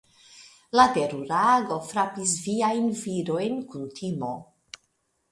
La terura ago frapis viajn virojn kun timo.